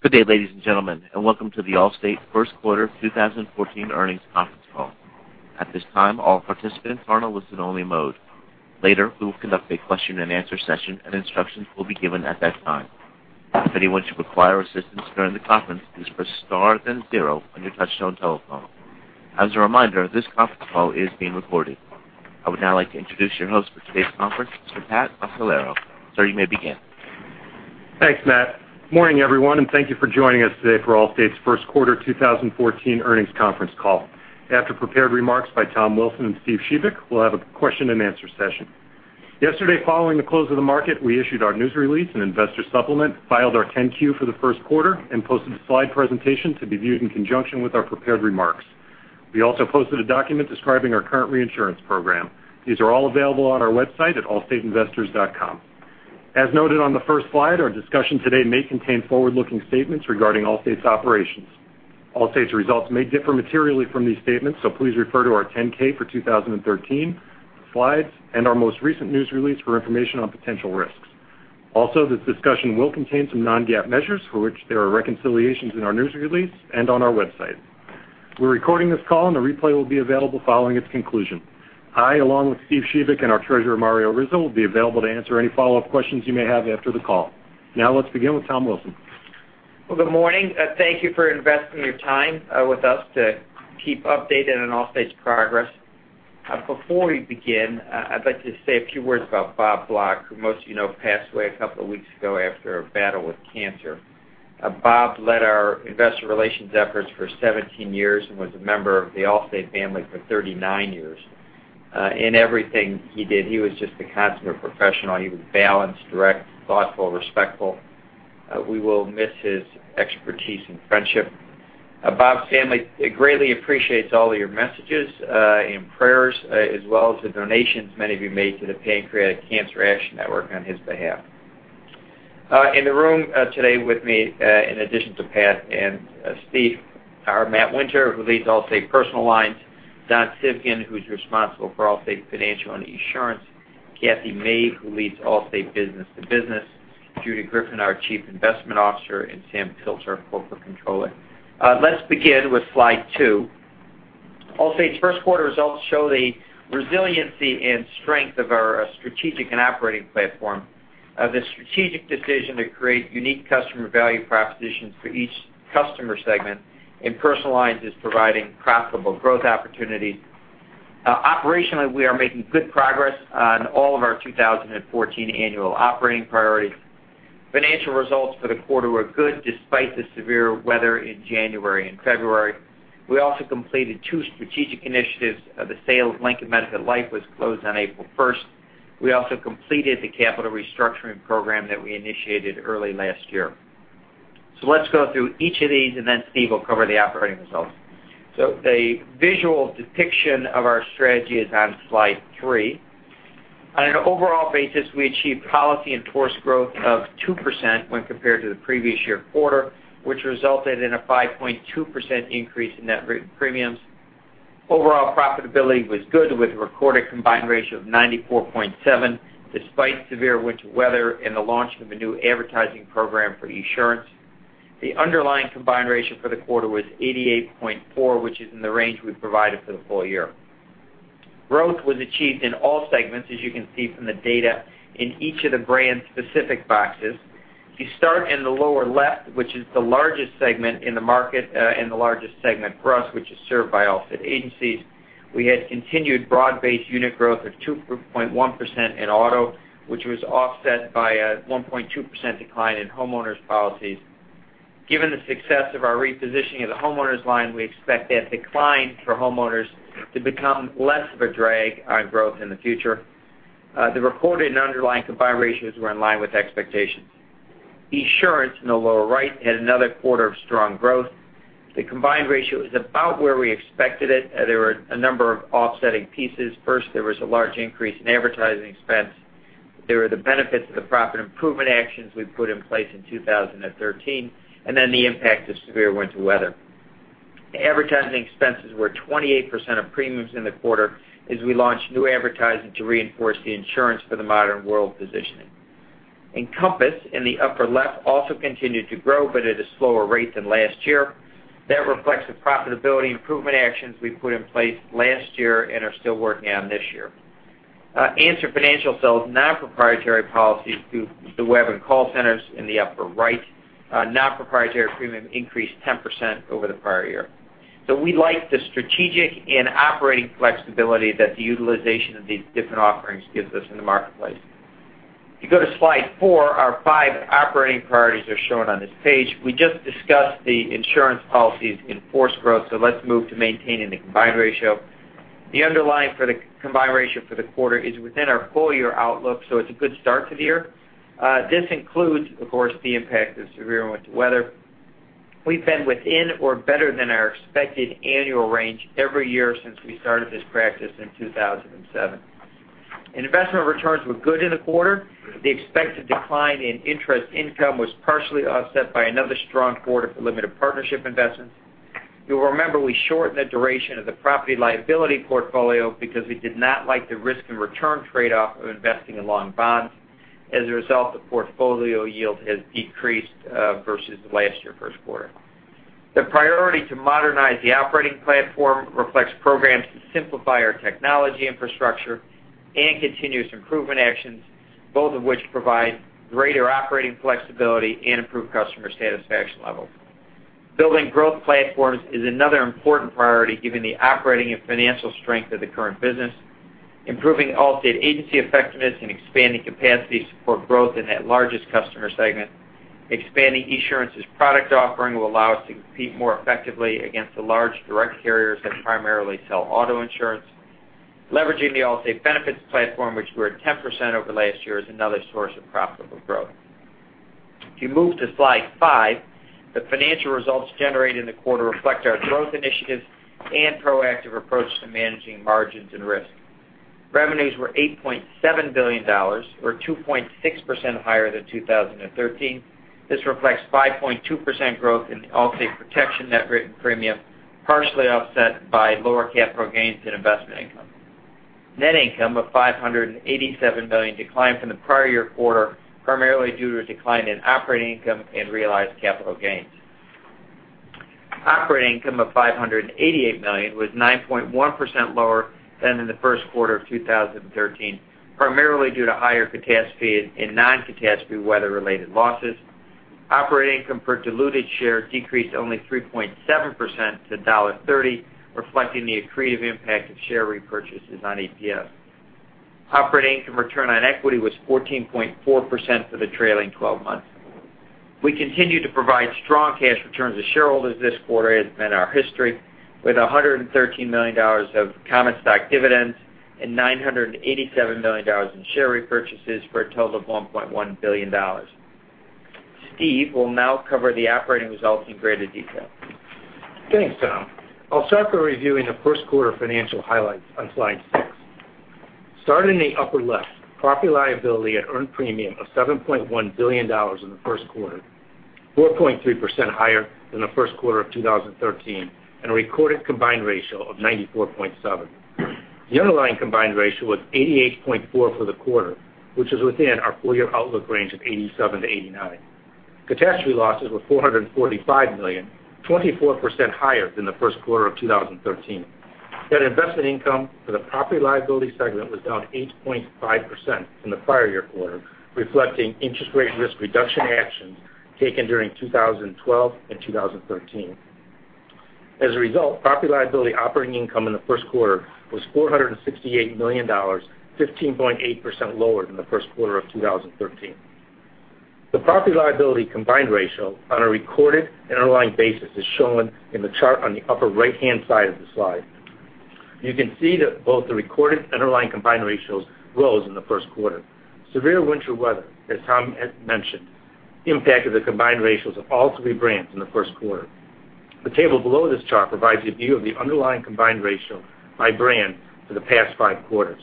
Good day, ladies and gentlemen, welcome to the Allstate first quarter 2014 earnings conference call. At this time, all participants are in listen only mode. Later, we will conduct a question-and-answer session, and instructions will be given at that time. If anyone should require assistance during the conference, please press star then zero on your touchtone telephone. As a reminder, this conference call is being recorded. I would now like to introduce your host for today's conference, Mr. Pat Roccaforte. Sir, you may begin. Thanks, Matt. Morning, everyone, thank you for joining us today for Allstate's first quarter 2014 earnings conference call. After prepared remarks by Tom Wilson and Steve Shebik, we will have a question and answer session. Yesterday, following the close of the market, we issued our news release and investor supplement, filed our 10-Q for the first quarter, posted a slide presentation to be viewed in conjunction with our prepared remarks. These are all available on our website at allstateinvestors.com. As noted on the first slide, our discussion today may contain forward-looking statements regarding Allstate's operations. Allstate's results may differ materially from these statements, please refer to our 10-K for 2013, slides, and our most recent news release for information on potential risks. This discussion will contain some non-GAAP measures for which there are reconciliations in our news release and on our website. We are recording this call, a replay will be available following its conclusion. I, along with Steve Shebik and our treasurer, Mario Rizzo, will be available to answer any follow-up questions you may have after the call. Let's begin with Tom Wilson. Good morning. Thank you for investing your time with us to keep updated on Allstate's progress. Before we begin, I would like to say a few words about Bob Block, who most of you know passed away a couple of weeks ago after a battle with cancer. Bob led our investor relations efforts for 17 years and was a member of the Allstate family for 39 years. In everything he did, he was just the consummate professional. He was balanced, direct, thoughtful, respectful. We will miss his expertise and friendship. Bob's family greatly appreciates all your messages and prayers, as well as the donations many of you made to the Pancreatic Cancer Action Network on his behalf. In the room today with me, in addition to Pat and Steve, are Matthew Winter, who leads Allstate Personal Lines; Don Civgin, who's responsible for Allstate Financial and Esurance; Kathy Mabe, who leads Allstate Business to Business; Judy Griffin, our Chief Investment Officer, and Samuel Pilzer, Corporate Controller. Let's begin with slide two. Allstate's first quarter results show the resiliency and strength of our strategic and operating platform. The strategic decision to create unique customer value propositions for each customer segment in Personal Lines is providing profitable growth opportunities. Operationally, we are making good progress on all of our 2014 annual operating priorities. Financial results for the quarter were good despite the severe weather in January and February. We also completed two strategic initiatives. The sale of Lincoln Benefit Life was closed on April 1st. We also completed the capital restructuring program that we initiated early last year. Let's go through each of these and Steve will cover the operating results. The visual depiction of our strategy is on slide three. On an overall basis, we achieved policies in force growth of 2% when compared to the previous year quarter, which resulted in a 5.2% increase in net written premiums. Overall profitability was good, with a recorded combined ratio of 94.7, despite severe winter weather and the launch of a new advertising program for Esurance. The underlying combined ratio for the quarter was 88.4, which is in the range we've provided for the full year. Growth was achieved in all segments, as you can see from the data in each of the brand specific boxes. If you start in the lower left, which is the largest segment in the market and the largest segment for us, which is served by Allstate agencies, we had continued broad-based unit growth of 2.1% in auto, which was offset by a 1.2% decline in homeowners policies. Given the success of our repositioning of the homeowners line, we expect that decline for homeowners to become less of a drag on growth in the future. The reported and underlying combined ratios were in line with expectations. Esurance, in the lower right, had another quarter of strong growth. The combined ratio is about where we expected it. There were a number of offsetting pieces. First, there was a large increase in advertising expense. There were the benefits of the profit improvement actions we put in place in 2013, the impact of severe winter weather. Advertising expenses were 28% of premiums in the quarter as we launched new advertising to reinforce the Insurance for the Modern World positioning. Encompass, in the upper left, also continued to grow but at a slower rate than last year. That reflects the profitability improvement actions we put in place last year and are still working on this year. Answer Financial sells non-proprietary policies through the web and call centers in the upper right. Non-proprietary premium increased 10% over the prior year. We like the strategic and operating flexibility that the utilization of these different offerings gives us in the marketplace. If you go to slide four, our five operating priorities are shown on this page. We just discussed the policies in force growth, let's move to maintaining the combined ratio. The underlying for the combined ratio for the quarter is within our full-year outlook. It's a good start to the year. This includes, of course, the impact of severe winter weather. We've been within or better than our expected annual range every year since we started this practice in 2007. Investment returns were good in the quarter. The expected decline in interest income was partially offset by another strong quarter for limited partnership investments. You'll remember we shortened the duration of the property liability portfolio because we did not like the risk and return trade-off of investing in long bonds. As a result, the portfolio yield has decreased versus the last year first quarter. The priority to modernize the operating platform reflects programs to simplify our technology infrastructure and continuous improvement actions, both of which provide greater operating flexibility and improved customer satisfaction levels. Building growth platforms is another important priority given the operating and financial strength of the current business. Improving Allstate agency effectiveness and expanding capacity to support growth in that largest customer segment. Expanding Esurance's product offering will allow us to compete more effectively against the large direct carriers that primarily sell auto insurance. Leveraging the Allstate Benefits platform, which grew at 10% over last year, is another source of profitable growth. If you move to slide five, the financial results generated in the quarter reflect our growth initiatives and proactive approach to managing margins and risk. Revenues were $8.7 billion, or 2.6% higher than 2013. This reflects 5.2% growth in the Allstate Protection net written premium, partially offset by lower capital gains and investment income. Net income of $587 million declined from the prior year quarter, primarily due to a decline in operating income and realized capital gains. Operating income of $588 million was 9.1% lower than in the first quarter of 2013, primarily due to higher catastrophe and non-catastrophe weather-related losses. Operating income per diluted share decreased only 3.7% to $1.30, reflecting the accretive impact of share repurchases on EPS. Operating income return on equity was 14.4% for the trailing 12 months. We continue to provide strong cash returns to shareholders this quarter, as has been our history, with $113 million of common stock dividends and $987 million in share repurchases for a total of $1.1 billion. Steve will now cover the operating results in greater detail. Thanks, Tom. I'll start by reviewing the first quarter financial highlights on slide six. Starting in the upper left, property and liability at earned premium of $7.1 billion in the first quarter, 4.3% higher than the first quarter of 2013, and a recorded combined ratio of 94.7. The underlying combined ratio was 88.4 for the quarter, which is within our full-year outlook range of 87 to 89. Catastrophe losses were $445 million, 24% higher than the first quarter of 2013. Net investment income for the property and liability segment was down 8.5% from the prior year quarter, reflecting interest rate risk reduction actions taken during 2012 and 2013. As a result, property and liability operating income in the first quarter was $468 million, 15.8% lower than the first quarter of 2013. The property and liability combined ratio on a recorded and underlying basis is shown in the chart on the upper right-hand side of the slide. You can see that both the recorded underlying combined ratios rose in the first quarter. Severe winter weather, as Tom had mentioned, impacted the combined ratios of all three brands in the first quarter. The table below this chart provides a view of the underlying combined ratio by brand for the past five quarters.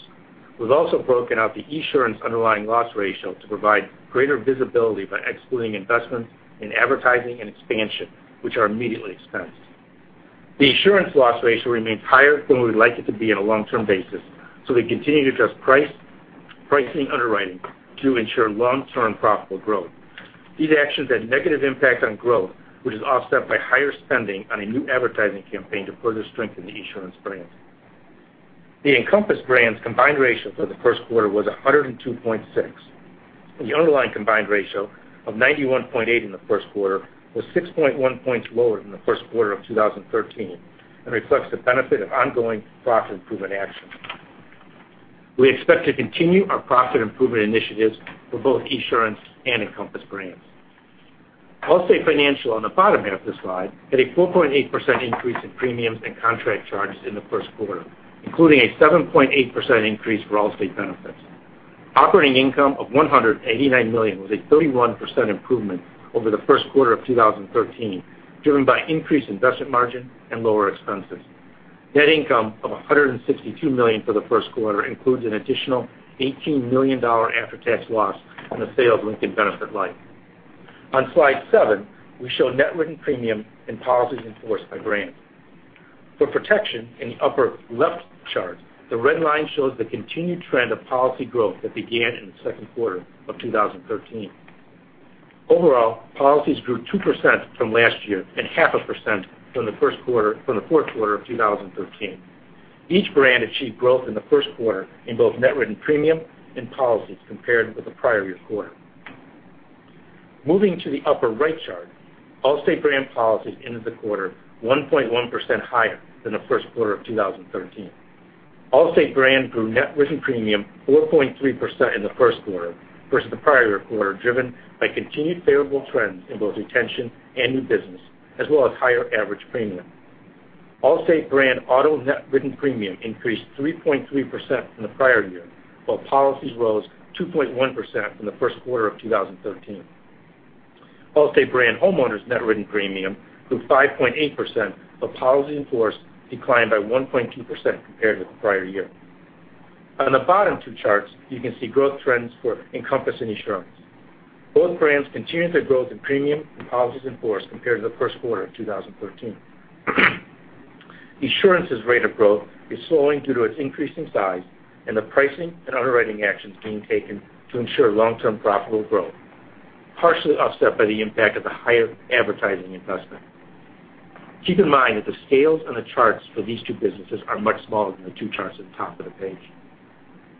We've also broken out the Esurance underlying loss ratio to provide greater visibility by excluding investments in advertising and expansion, which are immediately expensed. The Esurance loss ratio remains higher than we would like it to be on a long-term basis. We continue to adjust pricing underwriting to ensure long-term profitable growth. These actions had a negative impact on growth, which is offset by higher spending on a new advertising campaign to further strengthen the Esurance brand. The Encompass Brands combined ratio for the first quarter was 102.6, the underlying combined ratio of 91.8 in the first quarter was 6.1 points lower than the first quarter of 2013 and reflects the benefit of ongoing profit improvement actions. We expect to continue our profit improvement initiatives for both Esurance and Encompass Brands. Allstate Financial, on the bottom half of the slide, had a 4.8% increase in premiums and contract charges in the first quarter, including a 7.8% increase for Allstate Benefits. Operating income of $189 million was a 31% improvement over the first quarter of 2013, driven by increased investment margin and lower expenses. Net income of $162 million for the first quarter includes an additional $18 million after-tax loss on the sale of Lincoln Benefit Life. On slide seven, we show net written premium and policies in force by brand. For protection in the upper left chart, the red line shows the continued trend of policy growth that began in the second quarter of 2013. Overall, policies grew 2% from last year and 0.5% from the fourth quarter of 2013. Each brand achieved growth in the first quarter in both net written premium and policies compared with the prior year quarter. Moving to the upper right chart, Allstate brand policies ended the quarter 1.1% higher than the first quarter of 2013. Allstate brand grew net written premium 4.3% in the first quarter versus the prior year quarter, driven by continued favorable trends in both retention and new business, as well as higher average premium. Allstate brand auto net written premium increased 3.3% from the prior year, while policies rose 2.1% from the first quarter of 2013. Allstate brand homeowners net written premium grew 5.8%, while policies in force declined by 1.2% compared with the prior year. On the bottom two charts, you can see growth trends for Encompass and Esurance. Both brands continue their growth in premium and policies in force compared to the first quarter of 2013. Esurance's rate of growth is slowing due to its increase in size and the pricing and underwriting actions being taken to ensure long-term profitable growth, partially offset by the impact of the higher advertising investment. Keep in mind that the scales on the charts for these two businesses are much smaller than the two charts at the top of the page.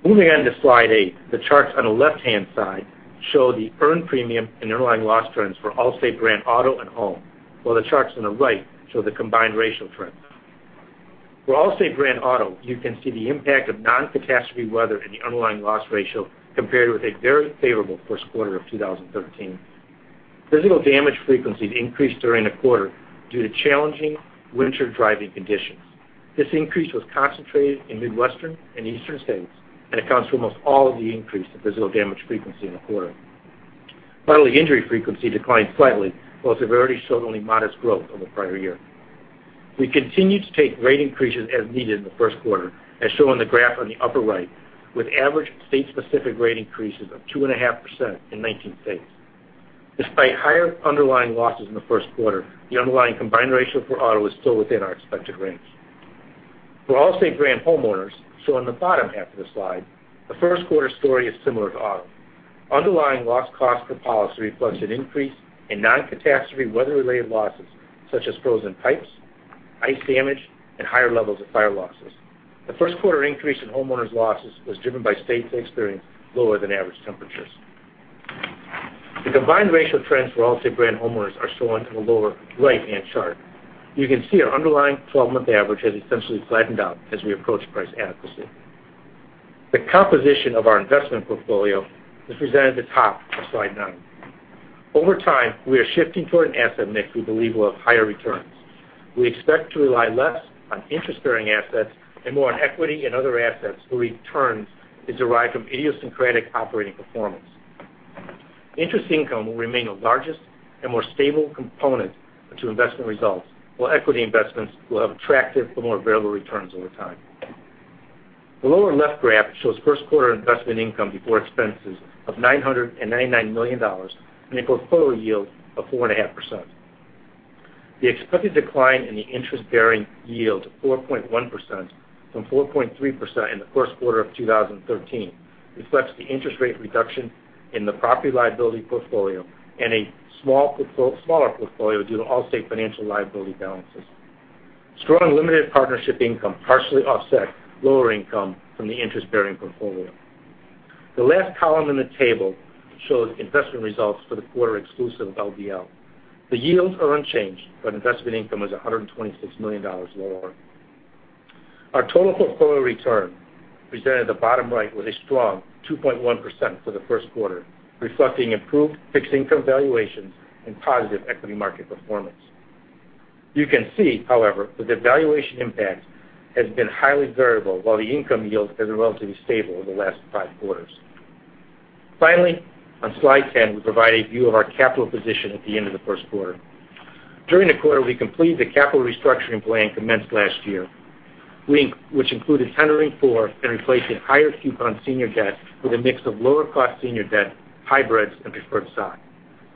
Moving on to slide eight, the charts on the left-hand side show the earned premium and underlying loss trends for Allstate brand auto and home, while the charts on the right show the combined ratio trends. For Allstate brand auto, you can see the impact of non-catastrophe weather in the underlying loss ratio compared with a very favorable first quarter of 2013. Physical damage frequencies increased during the quarter due to challenging winter driving conditions. This increase was concentrated in Midwestern and Eastern states and accounts for almost all of the increase in physical damage frequency in the quarter. Finally, injury frequency declined slightly, while severity showed only modest growth over the prior year. We continued to take rate increases as needed in the first quarter, as shown on the graph on the upper right, with average state-specific rate increases of 2.5% in 19 states. Despite higher underlying losses in the first quarter, the underlying combined ratio for auto is still within our expected range. For Allstate brand homeowners, shown on the bottom half of the slide, the first quarter story is similar to auto. Underlying loss cost per policy reflects an increase in non-catastrophe weather-related losses, such as frozen pipes, ice damage, and higher levels of fire losses. The first quarter increase in homeowners' losses was driven by states that experienced lower than average temperatures. The combined ratio trends for Allstate brand homeowners are shown in the lower right-hand chart. You can see our underlying 12-month average has essentially flattened out as we approach price adequacy. The composition of our investment portfolio is presented at the top of slide nine. Over time, we are shifting toward an asset mix we believe will have higher returns. We expect to rely less on interest-bearing assets and more on equity and other assets where returns is derived from idiosyncratic operating performance. Interest income will remain the largest and more stable component to investment results, while equity investments will have attractive but more variable returns over time. The lower left graph shows first quarter investment income before expenses of $999 million and a portfolio yield of 4.5%. The expected decline in the interest-bearing yield to 4.1% from 4.3% in the first quarter of 2013 reflects the interest rate reduction in the property-liability portfolio and a smaller portfolio due to Allstate Financial liability balances. Strong limited partnership income partially offset lower income from the interest-bearing portfolio. The last column in the table shows investment results for the quarter exclusive of LBL. The yields are unchanged, but investment income was $126 million lower. Our total portfolio return presented at the bottom right was a strong 2.1% for the first quarter, reflecting improved fixed income valuations and positive equity market performance. You can see, however, that the valuation impact has been highly variable while the income yield has been relatively stable over the last five quarters. Finally, on slide 10, we provide a view of our capital position at the end of the first quarter. During the quarter, we completed the capital restructuring plan commenced last year, which included tendering for and replacing higher coupon senior debt with a mix of lower cost senior debt, hybrids, and preferred stock.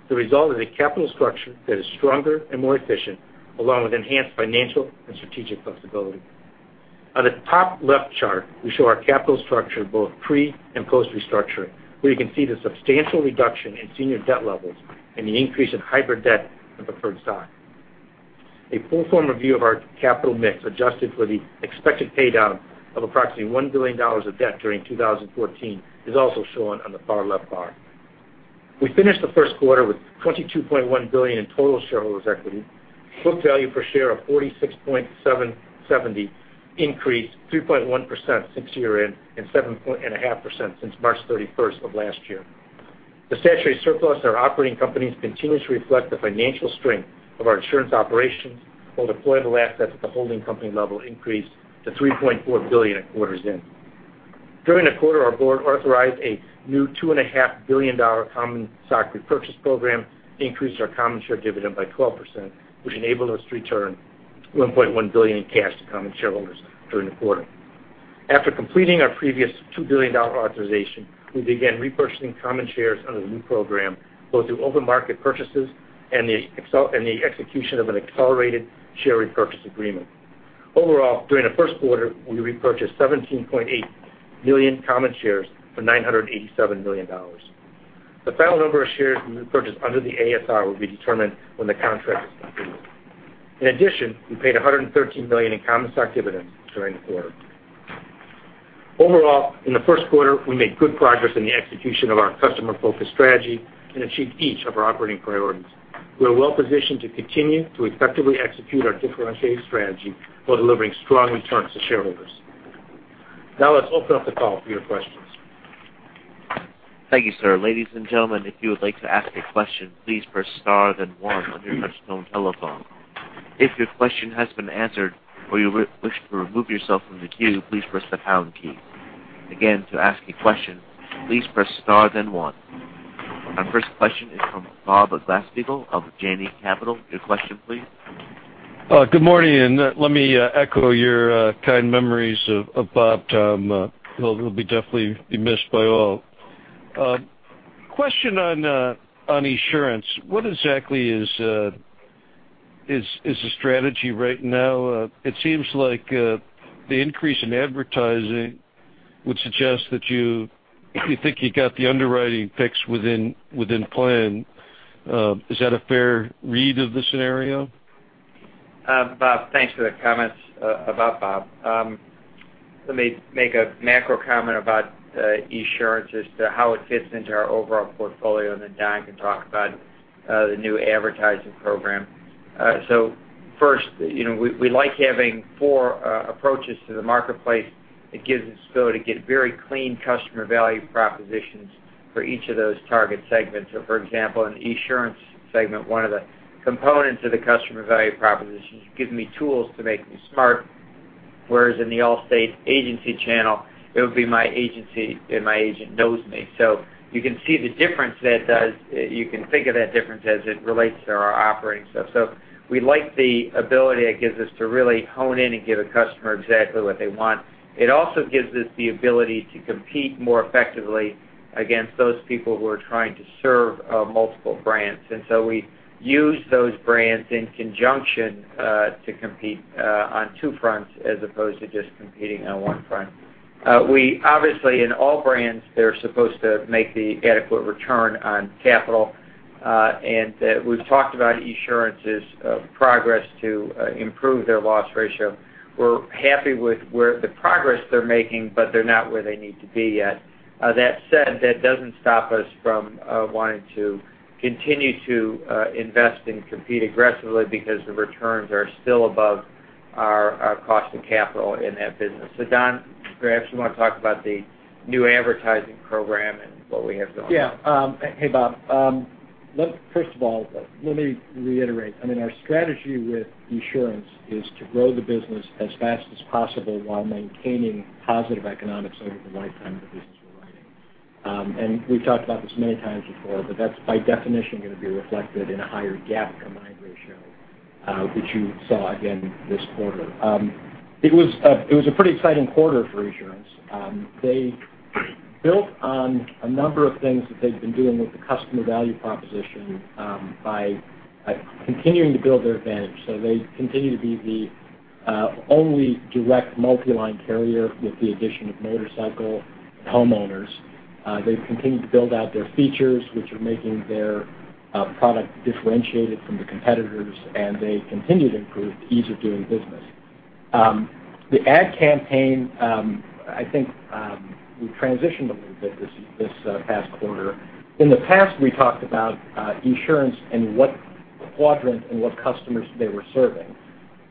The result is a capital structure that is stronger and more efficient, along with enhanced financial and strategic flexibility. On the top left chart, we show our capital structure both pre and post-restructuring, where you can see the substantial reduction in senior debt levels and the increase in hybrid debt and preferred stock. A full form review of our capital mix, adjusted for the expected paydown of approximately $1 billion of debt during 2014, is also shown on the far left bar. We finished the first quarter with $22.1 billion in total shareholders' equity. Book value per share of $46.70 increased 3.1% since year-end and 7.5% since March 31st of last year. The statutory surplus in our operating companies continues to reflect the financial strength of our insurance operations, while deployable assets at the holding company level increased to $3.4 billion at quarter's end. During the quarter, our board authorized a new $2.5 billion common stock repurchase program, increased our common share dividend by 12%, which enabled us to return $1.1 billion in cash to common shareholders during the quarter. After completing our previous $2 billion authorization, we began repurchasing common shares under the new program, both through open market purchases and the execution of an accelerated share repurchase agreement. Overall, during the first quarter, we repurchased 17.8 million common shares for $987 million. The final number of shares we repurchased under the ASR will be determined when the contract is completed. In addition, we paid $113 million in common stock dividends during the quarter. Overall, in the first quarter, we made good progress in the execution of our customer-focused strategy and achieved each of our operating priorities. We are well positioned to continue to effectively execute our differentiated strategy while delivering strong returns to shareholders. Now let's open up the call for your questions. Thank you, sir. Ladies and gentlemen, if you would like to ask a question, please press star then one on your touchtone telephone. If your question has been answered or you wish to remove yourself from the queue, please press the pound key. Again, to ask a question, please press star then one. Our first question is from Bob Glasspiegel of Janney Capital. Your question, please. Good morning. Let me echo your kind memories of Bob. He'll definitely be missed by all. Question on Esurance. What exactly is the strategy right now? It seems like the increase in advertising would suggest that you think you got the underwriting fixed within plan. Is that a fair read of the scenario? Bob, thanks for the comments about Bob. Let me make a macro comment about Esurance as to how it fits into our overall portfolio, and then Don can talk about the new advertising program. First, we like having four approaches to the marketplace. It gives us the ability to get very clean customer value propositions for each of those target segments. For example, in Esurance segment, one of the components of the customer value proposition is give me tools to make me smart, whereas in the Allstate agency channel, it would be my agency and my agent knows me. You can see the difference that does, you can think of that difference as it relates to our operating stuff. We like the ability it gives us to really hone in and give a customer exactly what they want. It also gives us the ability to compete more effectively against those people who are trying to serve multiple brands. We use those brands in conjunction to compete on two fronts as opposed to just competing on one front. We obviously, in all brands, they're supposed to make the adequate return on capital. We've talked about Esurance's progress to improve their loss ratio. We're happy with the progress they're making, but they're not where they need to be yet. That said, that doesn't stop us from wanting to continue to invest and compete aggressively because the returns are still above our cost of capital in that business. Don, perhaps you want to talk about the new advertising program and what we have going on. Yeah. Hey, Bob. First of all, let me reiterate. Our strategy with Esurance is to grow the business as fast as possible while maintaining positive economics over the lifetime of the business we're running. We've talked about this many times before, but that's by definition going to be reflected in a higher GAAP combined ratio, which you saw again this quarter. It was a pretty exciting quarter for Esurance. They built on a number of things that they've been doing with the customer value proposition by continuing to build their advantage. They continue to be the only direct multi-line carrier with the addition of motorcycle homeowners. They've continued to build out their features, which are making their product differentiated from the competitors, and they continued improved ease of doing business. The ad campaign I think we transitioned a little bit this past quarter. In the past, we talked about insurance and what quadrant and what customers they were serving.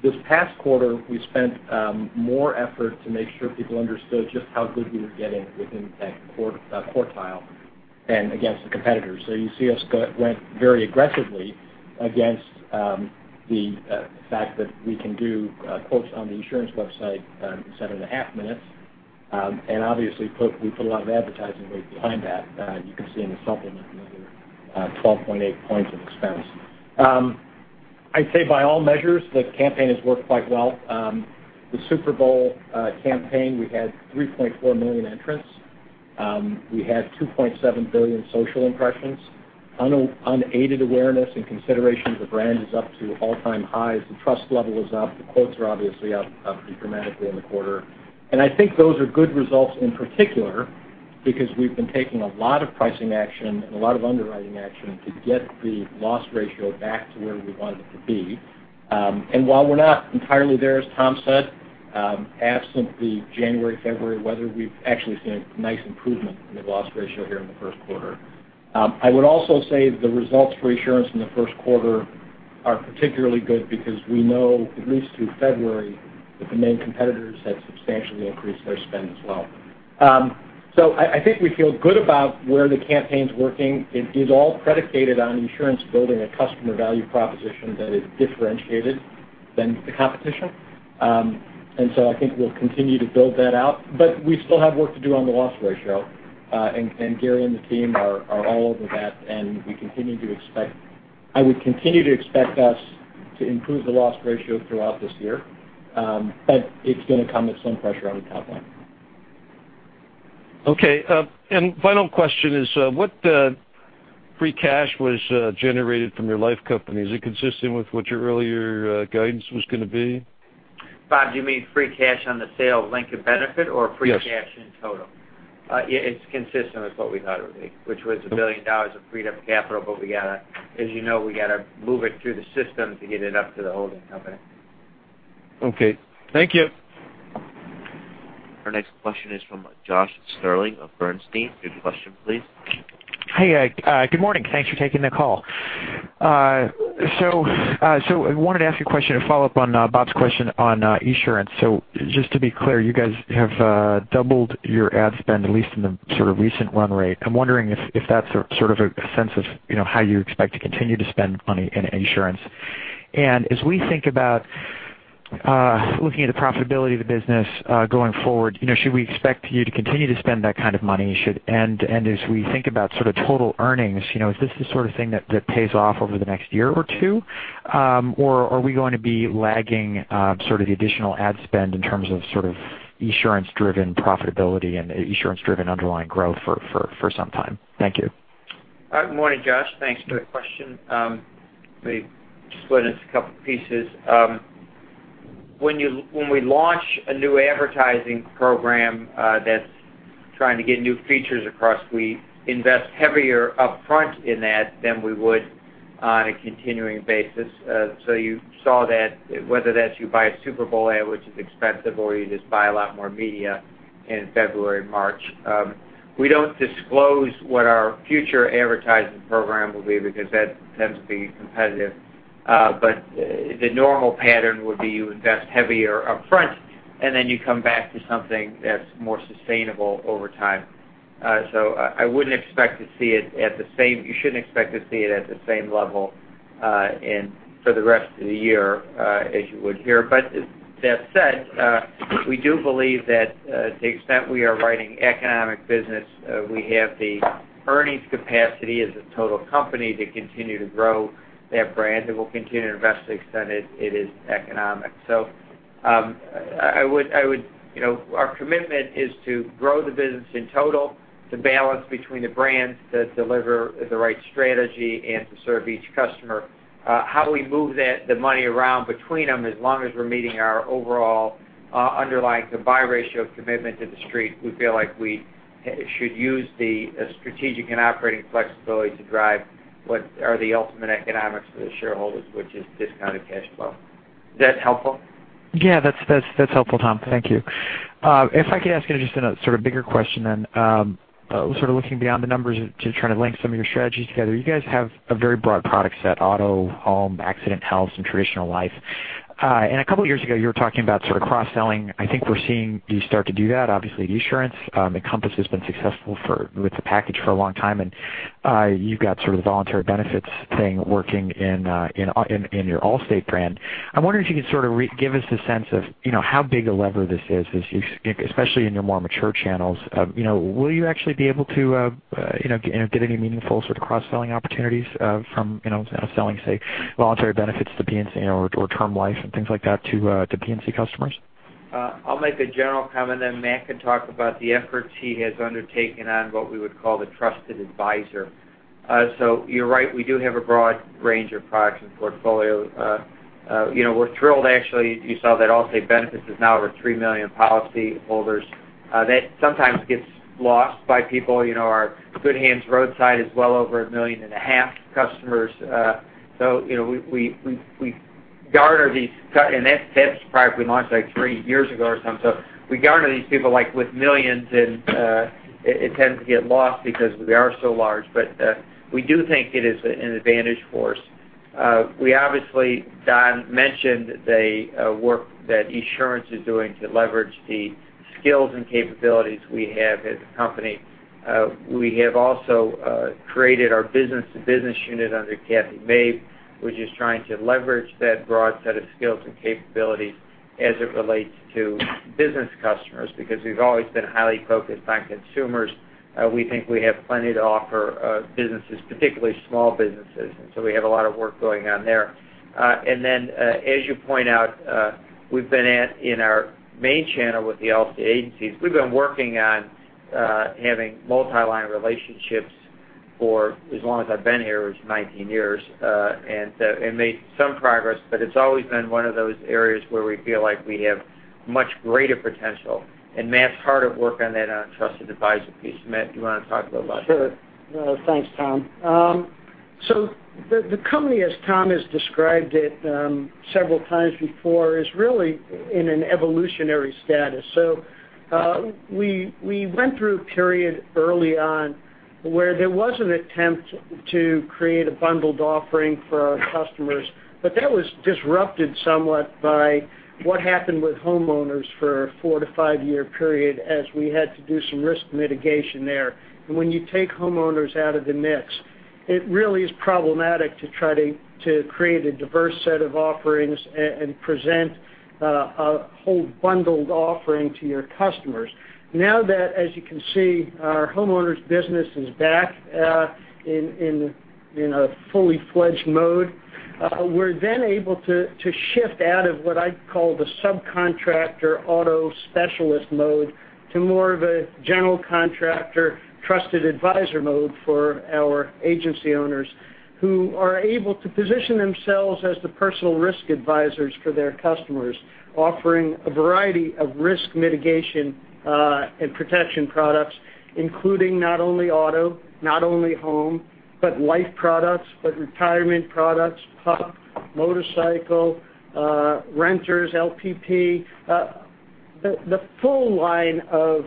This past quarter, we spent more effort to make sure people understood just how good we were getting within that quartile and against the competitors. You see us went very aggressively against the fact that we can do quotes on the insurance website in seven and a half minutes. Obviously, we put a lot of advertising weight behind that. You can see in the supplement another 12.8 points of expense. I'd say by all measures, the campaign has worked quite well. The Super Bowl campaign, we had 3.4 million entrants. We had 2.7 billion social impressions. Unaided awareness and consideration of the brand is up to all-time highs. The trust level is up. The quotes are obviously up pretty dramatically in the quarter. I think those are good results in particular because we've been taking a lot of pricing action and a lot of underwriting action to get the loss ratio back to where we want it to be. While we're not entirely there, as Tom said, absent the January, February weather, we've actually seen a nice improvement in the loss ratio here in the first quarter. I would also say the results for Esurance in the first quarter are particularly good because we know at least through February that the main competitors had substantially increased their spend as well. I think we feel good about where the campaign's working. It is all predicated on insurance building a customer value proposition that is differentiated than the competition. I think we'll continue to build that out, but we still have work to do on the loss ratio. Gary and the team are all over that, and I would continue to expect us to improve the loss ratio throughout this year. It's going to come with some pressure on the top line. Okay. Final question is, what free cash was generated from your life company? Is it consistent with what your earlier guidance was going to be? Bob, do you mean free cash on the sale of Lincoln Benefit or free cash in total? Yes. It's consistent with what we thought it would be, which was $1 billion of freed-up capital. As you know, we got to move it through the system to get it up to the holding company. Okay. Thank you. Our next question is from Josh Stirling of Bernstein. Your question, please. Good morning. Thanks for taking the call. I wanted to ask you a question to follow up on Bob's question on Esurance. Just to be clear, you guys have doubled your ad spend, at least in the sort of recent run rate. I am wondering if that's sort of a sense of how you expect to continue to spend money in insurance. As we think about looking at the profitability of the business going forward, should we expect you to continue to spend that kind of money? As we think about total earnings, is this the sort of thing that pays off over the next year or two? Or are we going to be lagging the additional ad spend in terms of Esurance-driven profitability and Esurance-driven underlying growth for some time? Thank you. Good morning, Josh. Thanks for the question. Let me split this in a couple pieces. When we launch a new advertising program that's trying to get new features across, we invest heavier up front in that than we would on a continuing basis. You saw that whether that's you buy a Super Bowl ad, which is expensive, or you just buy a lot more media in February, March. We don't disclose what our future advertising program will be because that tends to be competitive. The normal pattern would be you invest heavier up front, and then you come back to something that's more sustainable over time. I wouldn't expect to see it at the same level for the rest of the year as you would here. That said, we do believe that to the extent we are writing economic business, we have the earnings capacity as a total company to continue to grow that brand, and we'll continue to invest to the extent it is economic. Our commitment is to grow the business in total, to balance between the brands that deliver the right strategy, and to serve each customer. How we move the money around between them, as long as we're meeting our overall underlying combined ratio of commitment to the street, we feel like we should use the strategic and operating flexibility to drive what are the ultimate economics for the shareholders, which is discounted cash flow. Is that helpful? Yeah, that's helpful, Tom. Thank you. If I could ask you just a bigger question, looking beyond the numbers to try to link some of your strategies together. You guys have a very broad product set, auto, home, accident, health, and traditional life. A couple of years ago, you were talking about cross-selling. I think we're seeing you start to do that, obviously at Esurance. Encompass has been successful with the package for a long time, and you've got voluntary benefits thing working in your Allstate brand. I wonder if you could give us a sense of how big a lever this is, especially in your more mature channels. Will you actually be able to get any meaningful sort of cross-selling opportunities from selling, say, voluntary benefits to P&C or term life and things like that to P&C customers? I'll make a general comment, then Matt can talk about the efforts he has undertaken on what we would call the trusted advisor. You're right, we do have a broad range of products and portfolio. We're thrilled, actually, you saw that Allstate Benefits is now over 3 million policyholders. That sometimes gets lost by people. Our Good Hands Roadside is well over 1.5 million customers. That's a product we launched like 3 years ago or something. We garner these people with millions, and it tends to get lost because we are so large, but we do think it is an advantage for us. Obviously, Don mentioned the work that Esurance is doing to leverage the skills and capabilities we have as a company. We have also created our B2B unit under Kathy Mabe, which is trying to leverage that broad set of skills and capabilities as it relates to business customers because we've always been highly focused on consumers. We think we have plenty to offer businesses, particularly small businesses. We have a lot of work going on there. Then as you point out, in our main channel with the LC agencies, we've been working on having multi-line relationships for as long as I've been here, which is 19 years. Made some progress, but it's always been one of those areas where we feel like we have much greater potential. Matt's hard at work on that on trusted advisor piece. Matt, do you want to talk about that? Sure. Thanks, Tom. The company, as Tom has described it several times before, is really in an evolutionary status. We went through a period early on where there was an attempt to create a bundled offering for our customers, but that was disrupted somewhat by what happened with homeowners for a 4-5-year period as we had to do some risk mitigation there. When you take homeowners out of the mix, it really is problematic to try to create a diverse set of offerings and present a whole bundled offering to your customers. Now that, as you can see, our homeowners business is back in a fully fledged mode, we're then able to shift out of what I'd call the subcontractor auto specialist mode to more of a general contractor, trusted advisor mode for our agency owners who are able to position themselves as the personal risk advisors for their customers, offering a variety of risk mitigation and protection products, including not only auto, not only home, but life products, but retirement products, PUP, motorcycle, renters, LPP. The full line of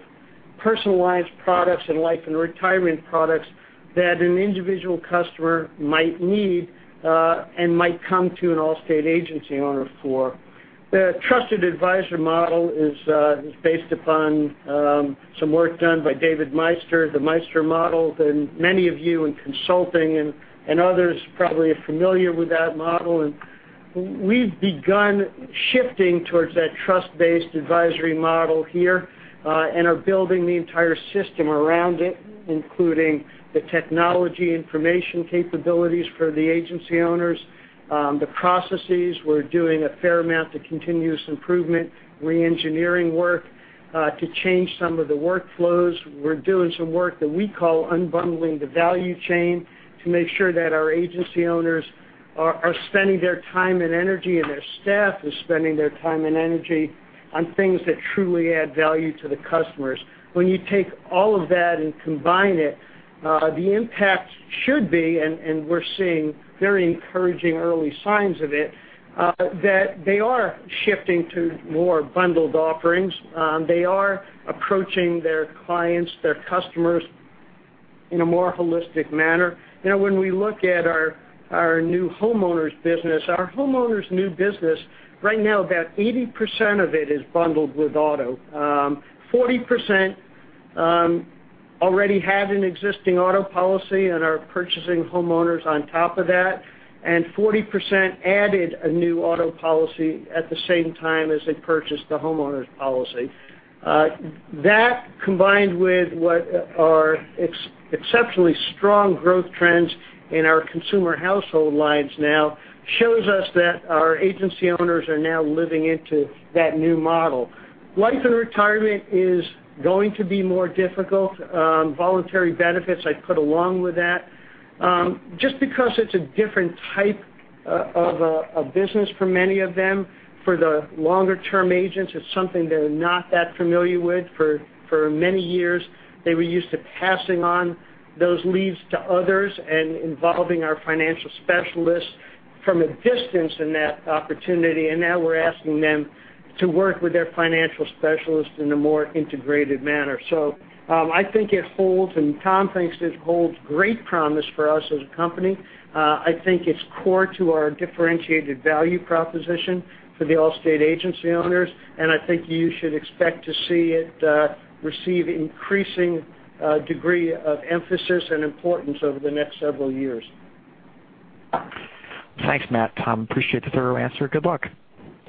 personalized products and life and retirement products that an individual customer might need and might come to an Allstate agency owner for. The trusted advisor model is based upon some work done by David Maister, the Maister model, that many of you in consulting and others probably are familiar with that model. We've begun shifting towards that trust-based advisory model here, and are building the entire system around it, including the technology information capabilities for the agency owners, the processes. We're doing a fair amount of continuous improvement, re-engineering work to change some of the workflows. We're doing some work that we call unbundling the value chain to make sure that our agency owners are spending their time and energy, and their staff is spending their time and energy on things that truly add value to the customers. When you take all of that and combine it, the impact should be, and we're seeing very encouraging early signs of it, that they are shifting to more bundled offerings. They are approaching their clients, their customers in a more holistic manner. When we look at our new homeowners business, our homeowners new business right now, about 80% of it is bundled with auto. 40% already had an existing auto policy and are purchasing homeowners on top of that, and 40% added a new auto policy at the same time as they purchased the homeowners policy. That, combined with what are exceptionally strong growth trends in our consumer household lines now, shows us that our agency owners are now living into that new model. Life and retirement is going to be more difficult. Voluntary benefits, I put along with that. Just because it's a different type of a business for many of them. For the longer-term agents, it's something they're not that familiar with. For many years, they were used to passing on those leads to others and involving our financial specialists from a distance in that opportunity, and now we're asking them to work with their financial specialists in a more integrated manner. I think it holds, and Tom thinks this holds great promise for us as a company. I think it's core to our differentiated value proposition for the Allstate agency owners, and I think you should expect to see it receive increasing degree of emphasis and importance over the next several years. Thanks, Matt, Tom. Appreciate the thorough answer. Good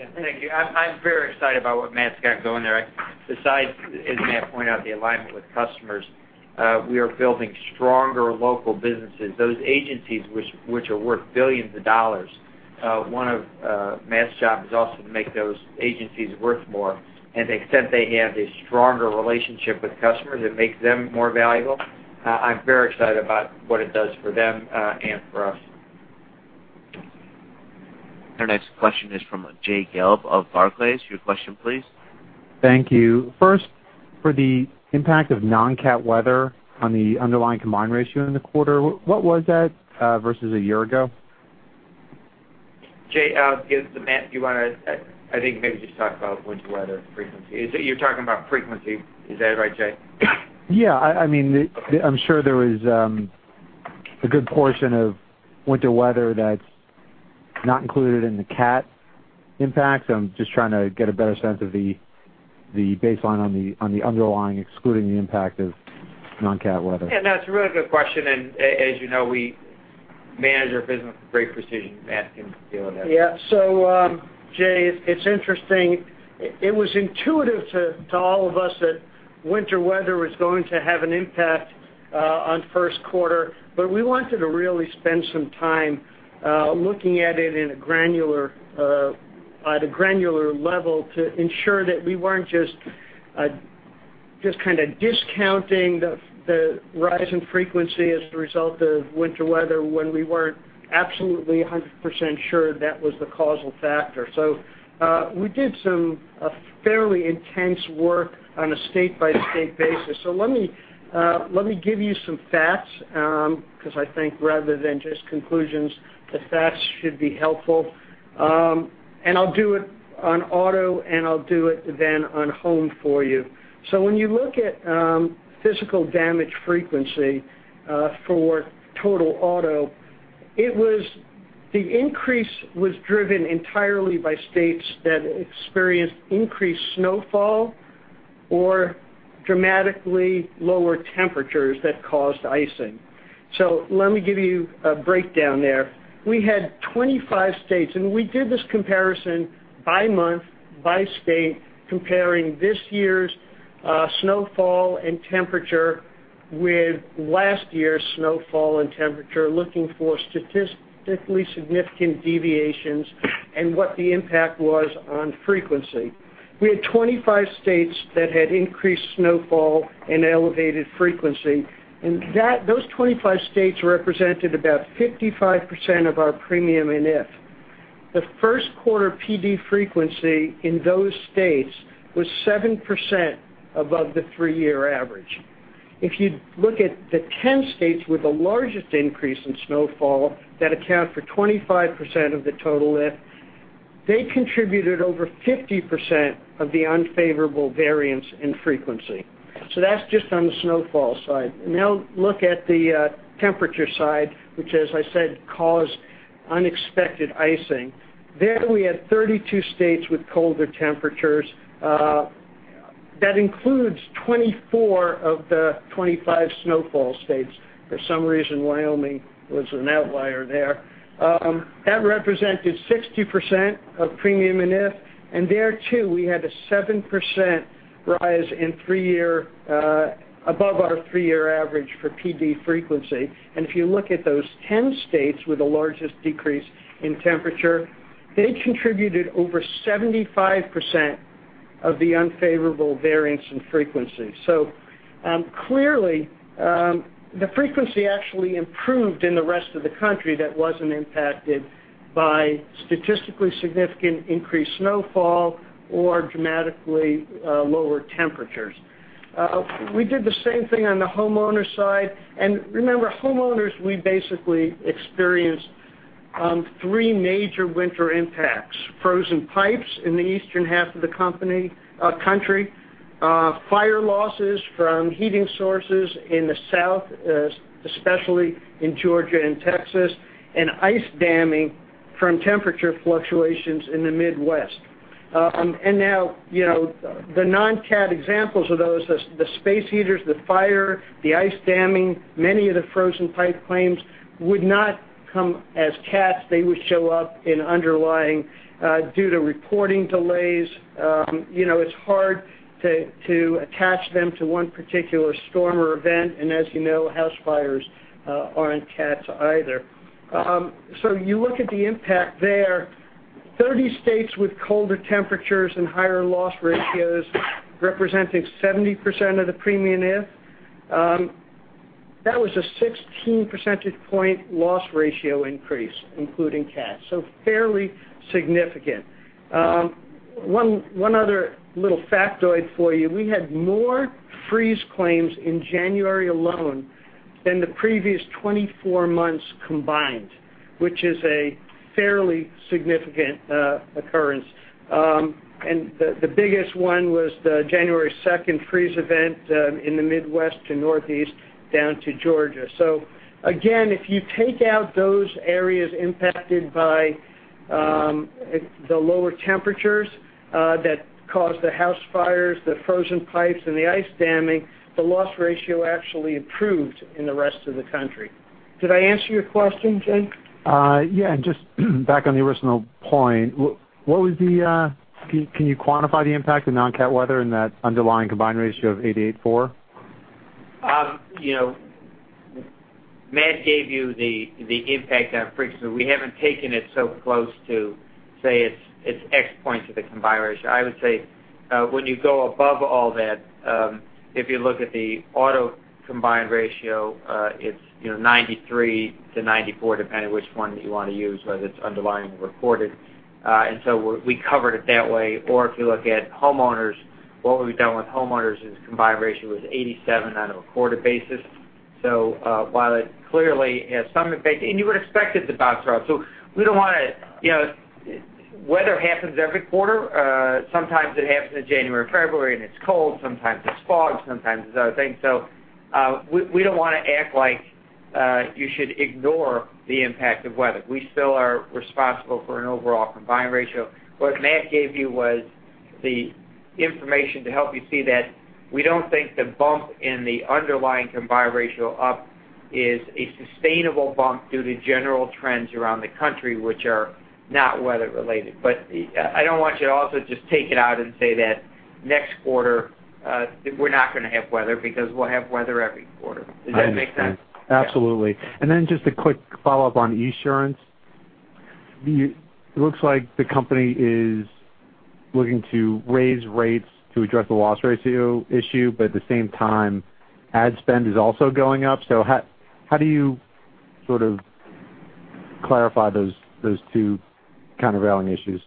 luck. Yeah, thank you. I'm very excited about what Matt's got going there. Besides, as Matt pointed out, the alignment with customers, we are building stronger local businesses, those agencies which are worth billions of dollars. One of Matt's job is also to make those agencies worth more. The extent they have a stronger relationship with customers, it makes them more valuable. I'm very excited about what it does for them and for us. Our next question is from Jay Gelb of Barclays. Your question, please. Thank you. First, for the impact of non-cat weather on the underlying combined ratio in the quarter, what was that versus a year ago? Jay, I'll give this to Matt. I think maybe just talk about winter weather frequency. You're talking about frequency. Is that right, Jay? I'm sure there was a good portion of winter weather that is not included in the cat impact. I'm just trying to get a better sense of the baseline on the underlying, excluding the impact of non-cat weather. It's a really good question, as you know, we manage our business with great precision. Matt can deal with that. Jay, it's interesting. It was intuitive to all of us that winter weather was going to have an impact on first quarter, we wanted to really spend some time looking at it at a granular level to ensure that we weren't just kind of discounting the rise in frequency as the result of winter weather when we weren't absolutely 100% sure that was the causal factor. We did some fairly intense work on a state-by-state basis. Let me give you some facts because I think rather than just conclusions, the facts should be helpful. I'll do it on auto, I'll do it then on home for you. When you look at physical damage frequency for total auto, the increase was driven entirely by states that experienced increased snowfall or dramatically lower temperatures that caused icing. Let me give you a breakdown there. We had 25 states, we did this comparison by month, by state, comparing this year's snowfall and temperature with last year's snowfall and temperature, looking for statistically significant deviations and what the impact was on frequency. We had 25 states that had increased snowfall and elevated frequency, those 25 states represented about 55% of our premium in IF. The first quarter PD frequency in those states was 7% above the three-year average. If you look at the 10 states with the largest increase in snowfall, that account for 25% of the total lift, they contributed over 50% of the unfavorable variance in frequency. That's just on the snowfall side. Now look at the temperature side, which, as I said, caused unexpected icing. There, we had 32 states with colder temperatures. That includes 24 of the 25 snowfall states. For some reason, Wyoming was an outlier there. That represented 60% of premium in IF, there too, we had a 7% rise above our three-year average for PD frequency. If you look at those 10 states with the largest decrease in temperature, they contributed over 75% of the unfavorable variance in frequency. Clearly, the frequency actually improved in the rest of the country that wasn't impacted by statistically significant increased snowfall or dramatically lower temperatures. We did the same thing on the homeowner side. Remember, homeowners, we basically experienced three major winter impacts. Frozen pipes in the eastern half of the country, fire losses from heating sources in the South, especially in Georgia and Texas, and ice damming from temperature fluctuations in the Midwest. Now, the non-cat examples of those, the space heaters, the fire, the ice damming, many of the frozen pipe claims would not come as cats. They would show up in underlying due to reporting delays. It's hard to attach them to one particular storm or event. As you know, house fires aren't cats either. You look at the impact there, 30 states with colder temperatures and higher loss ratios representing 70% of the premium if. That was a 16 percentage point loss ratio increase, including cats. Fairly significant. One other little factoid for you, we had more freeze claims in January alone than the previous 24 months combined, which is a fairly significant occurrence. The biggest one was the January 2nd freeze event in the Midwest to Northeast down to Georgia. Again, if you take out those areas impacted by the lower temperatures that caused the house fires, the frozen pipes, and the ice damming, the loss ratio actually improved in the rest of the country. Did I answer your question, Jay? Yeah. Just back on the original point, can you quantify the impact of non-cat weather in that underlying combined ratio of 88:4? Matt gave you the impact on frequency. We haven't taken it so close to say it's X point of the combined ratio. I would say, when you go above all that, if you look at the auto combined ratio, it's 93-94, depending on which one you want to use, whether it's underlying or reported. We covered it that way. If you look at homeowners, what we've done with homeowners is the combined ratio was 87 on a recorded basis. While it clearly has some impact, and you would expect it to bounce around. Weather happens every quarter. Sometimes it happens in January, February, and it's cold. Sometimes it's fog, sometimes it's other things. We don't want to act like you should ignore the impact of weather. We still are responsible for an overall combined ratio. What Matt gave you was the information to help you see that we don't think the bump in the underlying combined ratio up is a sustainable bump due to general trends around the country, which are not weather related. I don't want you to also just take it out and say that next quarter, we're not going to have weather because we'll have weather every quarter. Does that make sense? I understand. Absolutely. Just a quick follow-up on Esurance. It looks like the company is looking to raise rates to address the loss ratio issue, at the same time, ad spend is also going up. How do you sort of clarify those two countervailing issues?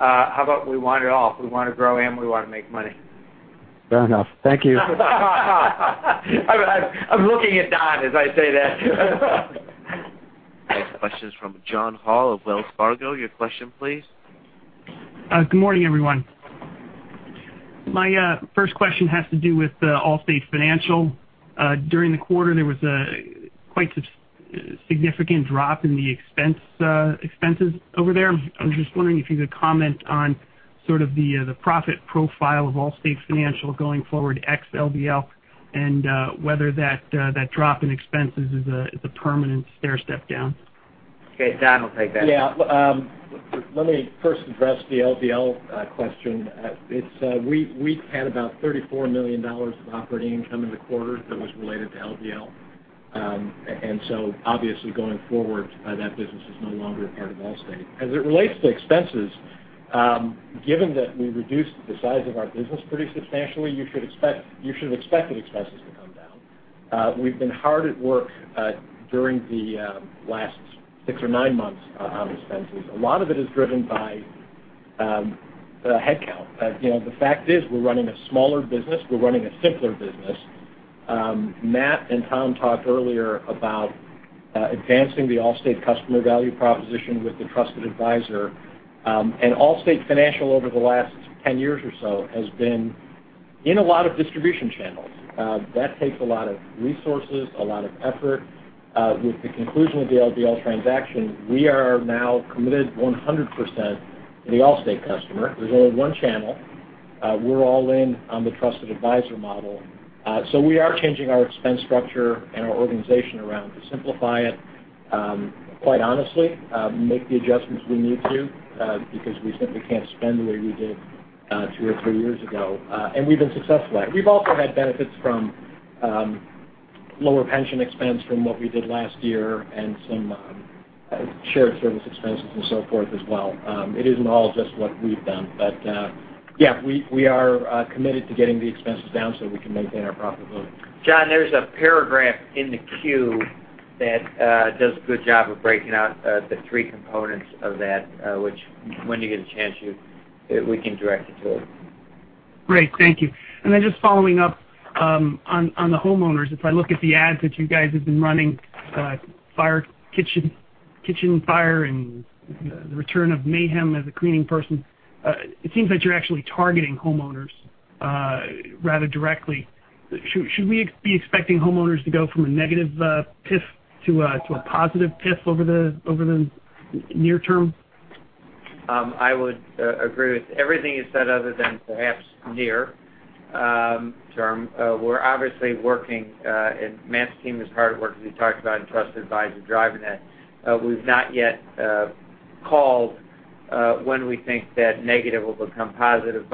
How about we want it all? We want to grow and we want to make money. Fair enough. Thank you. I'm looking at Don as I say that. Next question is from John Hall of Wells Fargo. Your question, please. Good morning, everyone. My first question has to do with Allstate Financial. During the quarter, there was quite a significant drop in the expenses over there. I'm just wondering if you could comment on sort of the profit profile of Allstate Financial going forward ex-LBL, and whether that drop in expenses is a permanent stairstep down. Okay. Don will take that. Yeah. Let me first address the LBL question. We had about $34 million of operating income in the quarter that was related to LBL. Obviously, going forward, that business is no longer a part of Allstate. As it relates to expenses, given that we reduced the size of our business pretty substantially, you should expect expenses to come down. We've been hard at work during the last six or nine months on expenses. A lot of it is driven by headcount. The fact is we're running a smaller business. We're running a simpler business. Matt and Tom talked earlier about advancing the Allstate customer value proposition with the trusted advisor. Allstate Financial, over the last 10 years or so, has been in a lot of distribution channels. That takes a lot of resources, a lot of effort. With the conclusion of the LBL transaction, we are now committed 100% to the Allstate customer. There's only one channel. We're all in on the trusted advisor model. We are changing our expense structure and our organization around to simplify it, quite honestly, make the adjustments we need to because we simply can't spend the way we did two or three years ago. We've been successful at it. We've also had benefits from lower pension expense from what we did last year and some shared service expenses and so forth as well. It isn't all just what we've done, we are committed to getting the expenses down so we can maintain our profitability. John, there's a paragraph in the 10-Q that does a good job of breaking out the three components of that which when you get a chance, we can direct you to it. Great. Thank you. Just following up on the homeowners, if I look at the ads that you guys have been running, kitchen fire and the return of Mayhem as a cleaning person, it seems that you're actually targeting homeowners rather directly. Should we be expecting homeowners to go from a negative PIF to a positive PIF over the near term? I would agree with everything you said other than perhaps near term. We're obviously working, Matt's team is hard at work, as we talked about in trusted advisor driving that. We've not yet called when we think that negative will become positive,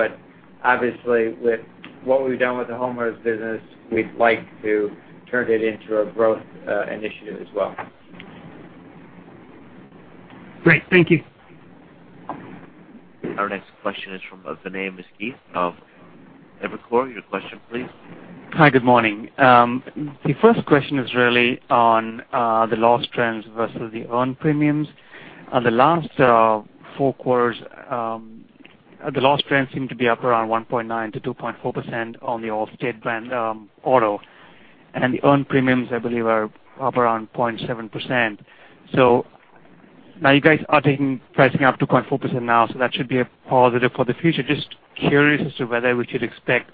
obviously with what we've done with the homeowners business, we'd like to turn it into a growth initiative as well. Great. Thank you. Our next question is from Vinay Misquith of Evercore. Your question, please. Hi, good morning. The first question is really on the loss trends versus the earned premiums. The last four quarters, the loss trends seem to be up around 1.9%-2.4% on the Allstate brand auto. The earned premiums, I believe, are up around 0.7%. Now you guys are taking pricing up 2.4% now, that should be a positive for the future. Just curious as to whether we should expect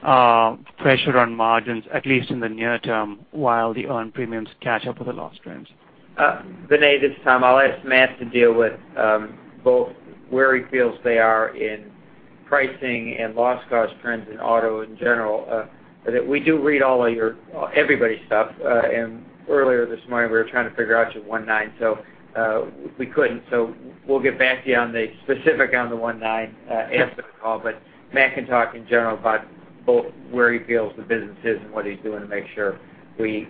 pressure on margins, at least in the near term, while the earned premiums catch up with the loss trends. Vinay, this is Tom. I'll ask Matt to deal with both where he feels they are in pricing and loss cost trends in auto in general. We do read all of your, everybody's stuff. Earlier this morning, we were trying to figure out your 19, we couldn't. We'll get back to you on the specific on the 19 after the call. Matt can talk in general about both where he feels the business is and what he's doing to make sure we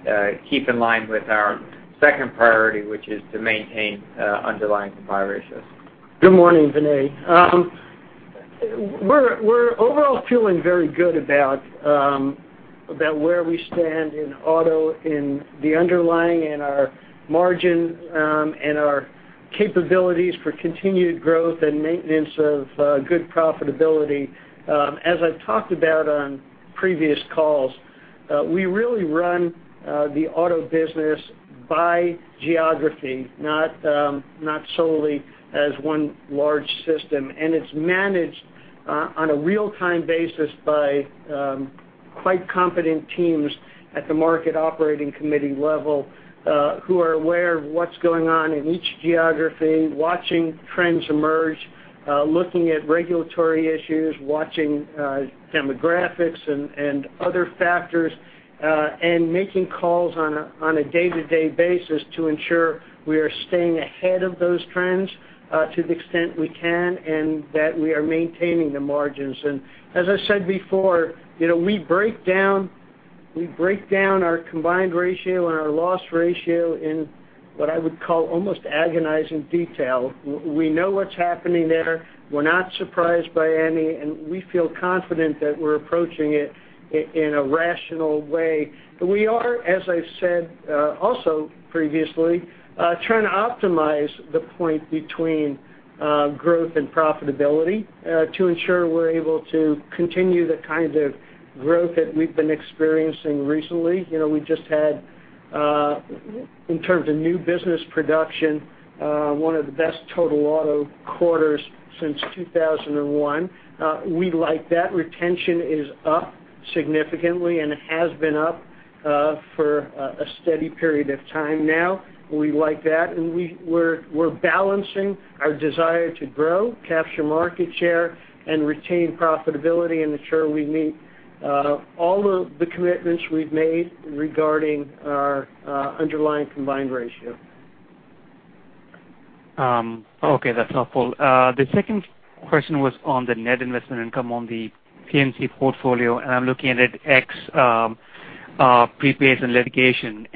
keep in line with our second priority, which is to maintain underlying combined ratios. Good morning, Vinay. We're overall feeling very good about where we stand in auto in the underlying and our margin and our capabilities for continued growth and maintenance of good profitability. As I've talked about on previous calls, we really run the auto business by geography, not solely as one large system. It's managed on a real-time basis by quite competent teams at the market operating committee level who are aware of what's going on in each geography, watching trends emerge, looking at regulatory issues, watching demographics and other factors, and making calls on a day-to-day basis to ensure we are staying ahead of those trends to the extent we can and that we are maintaining the margins. As I said before, we break down our combined ratio and our loss ratio in what I would call almost agonizing detail. We know what's happening there. We're not surprised by any, and we feel confident that we're approaching it in a rational way. We are, as I said also previously, trying to optimize the point between growth and profitability to ensure we're able to continue the kind of growth that we've been experiencing recently. We just had, in terms of new business production, one of the best total auto quarters since 2001. We like that. Retention is up significantly, and it has been up for a steady period of time now. We like that, and we're balancing our desire to grow, capture market share, and retain profitability and ensure we meet all the commitments we've made regarding our underlying combined ratio. Okay, that's helpful. The second question was on the net investment income on the P&C portfolio. I'm looking at it ex prepays and litigation.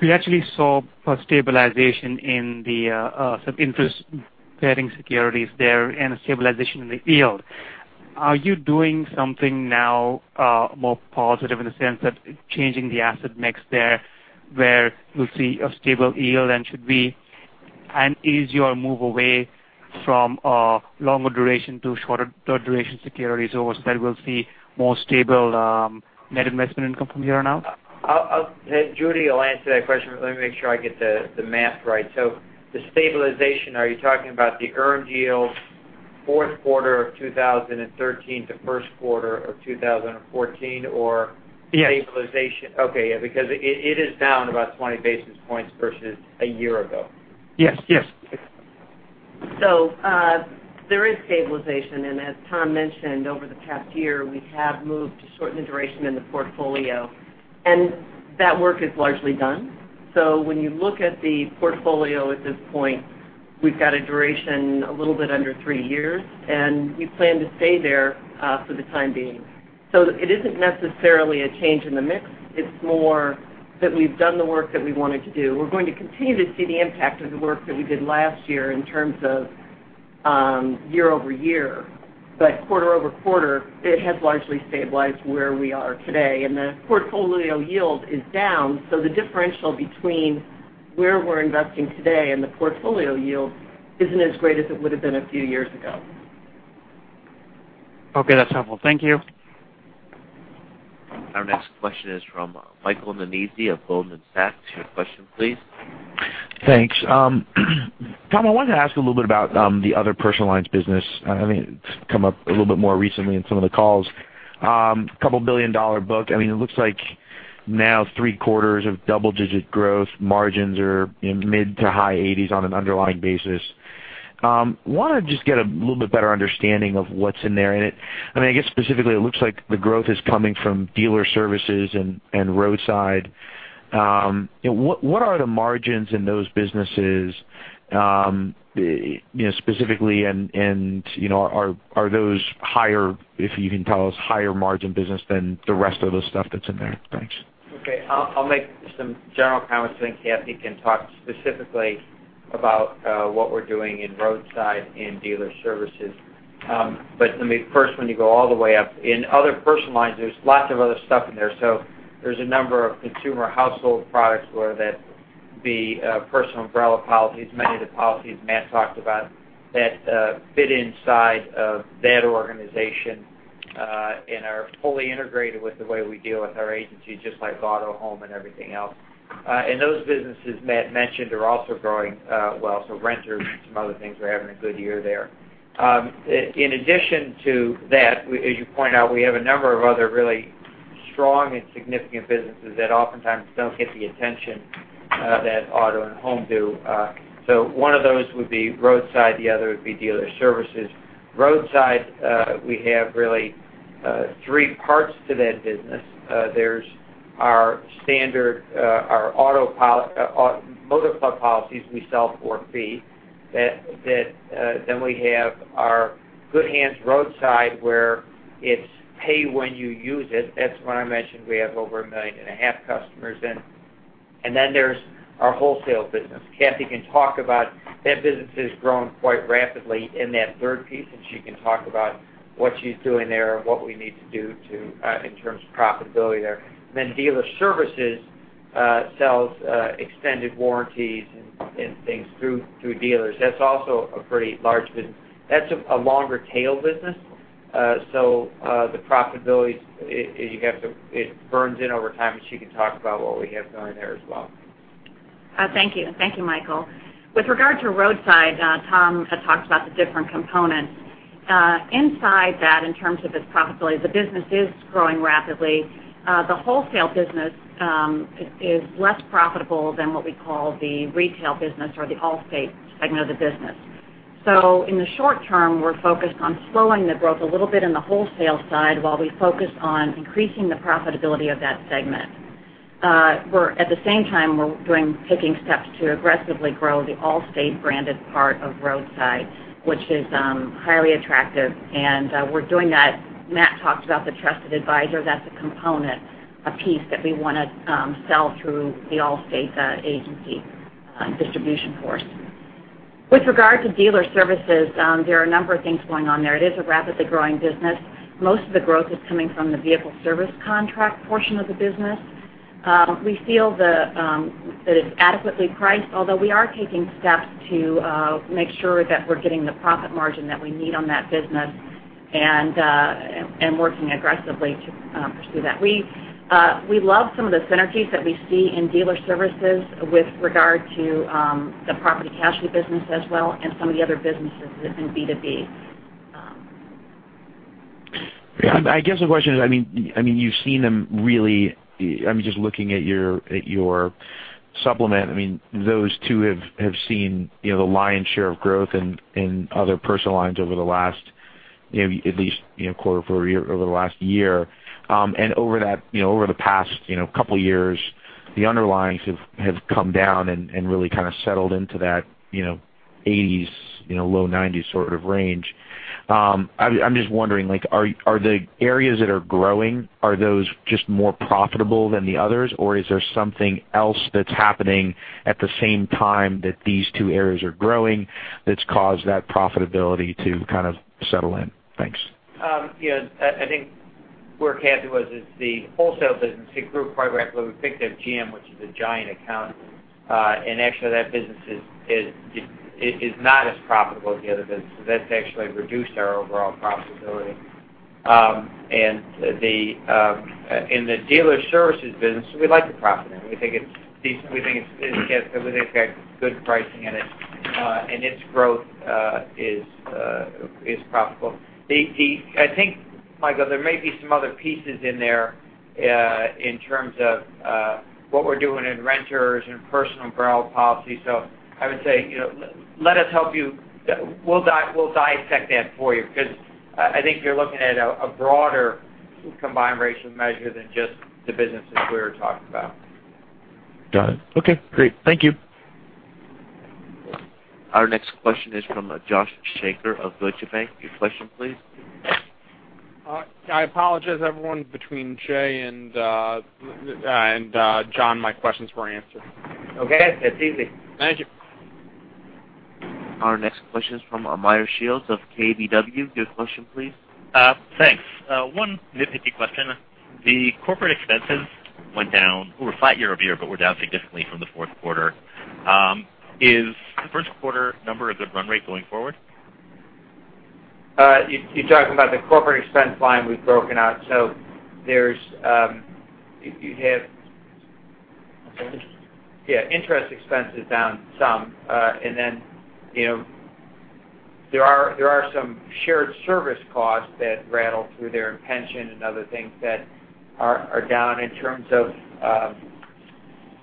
We actually saw a stabilization in the interest-bearing securities there and a stabilization in the yield. Are you doing something now more positive in the sense that changing the asset mix there where we'll see a stable yield and should we, is your move away from longer duration to shorter duration securities or that we'll see more stable net investment income from here now? Judy will answer that question, but let me make sure I get the math right. The stabilization, are you talking about the earned yield fourth quarter of 2013 to first quarter of 2014? Yes stabilization. Okay. Yeah, because it is down about 20 basis points versus a year ago. Yes. There is stabilization, and as Tom mentioned, over the past year, we have moved to shorten the duration in the portfolio, and that work is largely done. When you look at the portfolio at this point, we've got a duration a little bit under three years, and we plan to stay there for the time being. It isn't necessarily a change in the mix. It's more that we've done the work that we wanted to do. We're going to continue to see the impact of the work that we did last year in terms of year-over-year. Quarter-over-quarter, it has largely stabilized where we are today. The portfolio yield is down, so the differential between where we're investing today and the portfolio yield isn't as great as it would have been a few years ago. Okay. That's helpful. Thank you. Our next question is from Michael Nannizzi of Goldman Sachs. Your question, please. Thanks. Tom, I wanted to ask a little bit about the other personal lines business. It's come up a little bit more recently in some of the calls. Couple billion-dollar book. It looks like now three quarters of double-digit growth margins are in mid-to-high 80s on an underlying basis. I want to just get a little bit better understanding of what's in there. I guess specifically, it looks like the growth is coming from dealer services and roadside. What are the margins in those businesses specifically, and are those higher, if you can tell us, higher margin business than the rest of the stuff that's in there? Thanks. Okay. I'll make some general comments, then Kathy can talk specifically about what we're doing in roadside and dealer services. Let me first, when you go all the way up in other personal lines, there's lots of other stuff in there. There's a number of consumer household products where that the Personal Umbrella Policies, many of the policies Matt talked about that fit inside of that organization, and are fully integrated with the way we deal with our agencies, just like auto, home, and everything else. Those businesses Matt mentioned are also growing well. Renters and some other things are having a good year there. In addition to that, as you point out, we have a number of other really strong and significant businesses that oftentimes don't get the attention that auto and home do. One of those would be Roadside, the other would be dealer services. Roadside, we have really three parts to that business. There's our standard motor club policies we sell for a fee. We have our Good Hands Roadside where it's pay when you use it. That's when I mentioned we have over 1.5 million customers. There's our wholesale business. Kathy can talk about that business has grown quite rapidly in that third piece, and she can talk about what she's doing there and what we need to do in terms of profitability there. Dealer services sells extended warranties and things through dealers. That's also a pretty large business. That's a longer tail business, so the profitability, it burns in over time, and she can talk about what we have going there as well. Thank you, Michael. With regard to Roadside, Tom had talked about the different components. Inside that, in terms of its profitability, the business is growing rapidly. The wholesale business is less profitable than what we call the retail business or the Allstate segment of the business. In the short term, we're focused on slowing the growth a little bit in the wholesale side while we focus on increasing the profitability of that segment. At the same time, we're taking steps to aggressively grow the Allstate branded part of Roadside, which is highly attractive, and we're doing that. Matt talked about the trusted advisor. That's a component, a piece that we want to sell through the Allstate agency distribution force. With regard to dealer services, there are a number of things going on there. It is a rapidly growing business. Most of the growth is coming from the vehicle service contract portion of the business. We feel that it's adequately priced, although we are taking steps to make sure that we're getting the profit margin that we need on that business and working aggressively to pursue that. We love some of the synergies that we see in dealer services with regard to the property casualty business as well and some of the other businesses in B2B. I guess the question is, you've seen them really, just looking at your supplement, those two have seen the lion's share of growth in other personal lines over the last, at least, quarter-over-year, over the last year. Over the past couple of years, the underlyings have come down and really kind of settled into that 80s, low 90s sort of range. I'm just wondering, are the areas that are growing, are those just more profitable than the others, or is there something else that's happening at the same time that these two areas are growing that's caused that profitability to kind of settle in? Thanks. I think where Kathy was is the wholesale business. It grew quite rapidly. We picked up GM, which is a giant account. Actually, that business is not as profitable as the other business. That's actually reduced our overall profitability. In the dealer services business, we like the profit. We think it's decent. We think it's got good pricing in it, and its growth is profitable. I think, Michael, there may be some other pieces in there in terms of what we're doing in renters and Personal Umbrella Policies. I would say, we'll dissect that for you because I think you're looking at a broader combined ratio measure than just the businesses we were talking about. Got it. Okay, great. Thank you. Our next question is from Joshua Shanker of Deutsche Bank. Your question please. I apologize, everyone, between Jay and John, my questions were answered. Okay. That's easy. Thank you. Our next question is from Meyer Shields of KBW. Your question please. Thanks. One nitpicky question. The corporate expenses went down or were flat year-over-year, but were down significantly from the fourth quarter. Is the first quarter number a good run rate going forward? You're talking about the corporate expense line we've broken out. You have, yeah, interest expense is down some, and then there are some shared service costs that rattle through there and pension and other things that are down in terms of,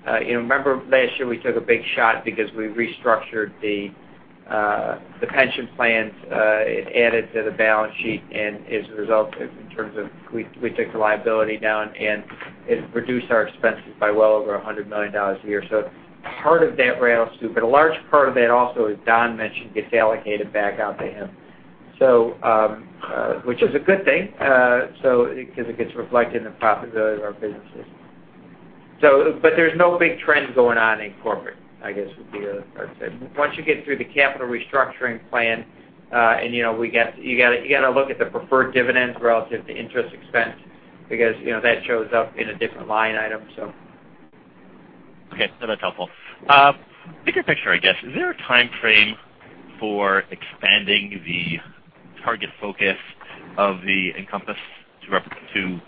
remember last year we took a big shot because we restructured the pension plans. It added to the balance sheet, as a result, in terms of we took the liability down, and it reduced our expenses by well over $100 million a year. Part of that rattles through. A large part of that also, as Don mentioned, gets allocated back out to him. Which is a good thing, because it gets reflected in the profitability of our businesses. There's no big trend going on in corporate, I guess, would be the way I'd say. Once you get through the capital restructuring plan, you've got to look at the preferred dividends relative to interest expense because that shows up in a different line item. Okay. No, that's helpful. Bigger picture, I guess, is there a time frame for expanding the target focus of the Encompass to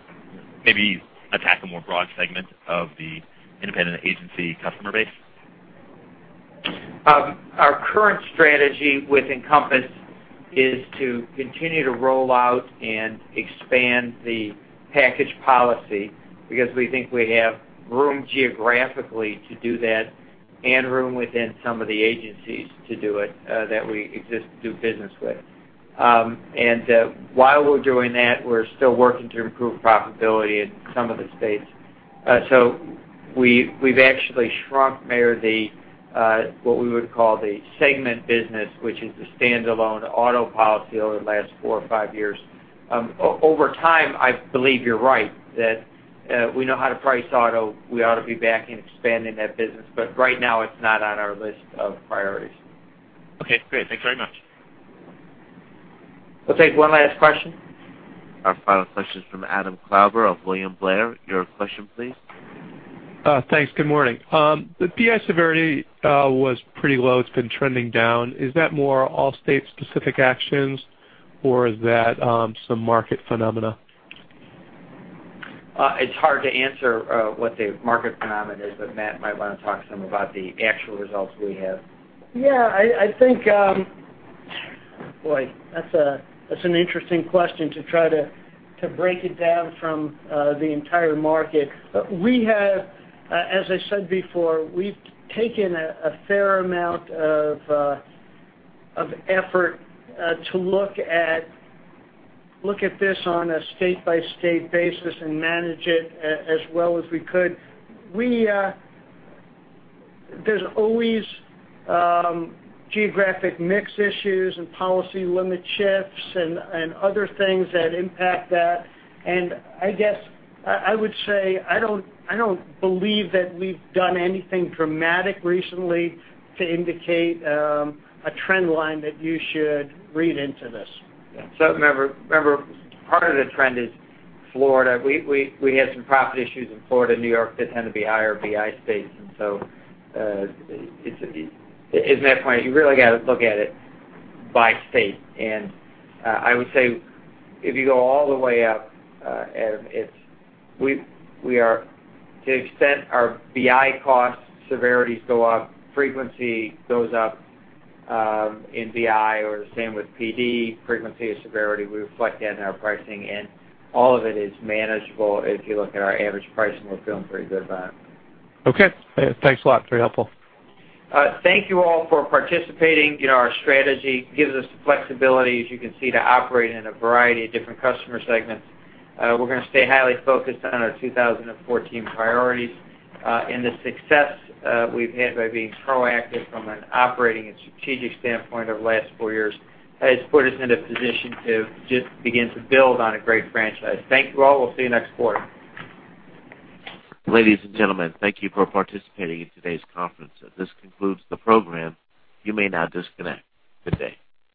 maybe attack a more broad segment of the independent agency customer base? Our current strategy with Encompass is to continue to roll out and expand the package policy because we think we have room geographically to do that and room within some of the agencies to do it that we exist to do business with. While we're doing that, we're still working to improve profitability in some of the states. We've actually shrunk, Meyer, what we would call the segment business, which is the standalone auto policy over the last four or five years. Over time, I believe you're right, that we know how to price auto. We ought to be back and expanding that business. Right now, it's not on our list of priorities. Okay, great. Thanks very much. We'll take one last question. Our final question is from Adam Klauber of William Blair. Your question please. Thanks. Good morning. The PI severity was pretty low. It's been trending down. Is that more Allstate specific actions or is that some market phenomena? It's hard to answer what the market phenomenon is. Matt might want to talk some about the actual results we have. Yeah, I think, boy, that's an interesting question to try to break it down from the entire market. As I said before, we've taken a fair amount of effort to look at this on a state-by-state basis and manage it as well as we could. There's always geographic mix issues and policy limit shifts and other things that impact that. I guess I would say, I don't believe that we've done anything dramatic recently to indicate a trend line that you should read into this. Remember, part of the trend is Florida. We had some profit issues in Florida, New York that tend to be higher BI states. As Matt pointed, you really got to look at it by state. I would say if you go all the way up, Adam, to the extent our BI costs, severities go up, frequency goes up in BI or same with PD, frequency and severity, we reflect that in our pricing and all of it is manageable if you look at our average pricing, we're feeling pretty good about it. Okay. Thanks a lot. Very helpful. Thank you all for participating. Our strategy gives us the flexibility, as you can see, to operate in a variety of different customer segments. We're going to stay highly focused on our 2014 priorities. The success we've had by being proactive from an operating and strategic standpoint over the last four years has put us in a position to just begin to build on a great franchise. Thank you all. We'll see you next quarter. Ladies and gentlemen, thank you for participating in today's conference. This concludes the program. You may now disconnect. Good day.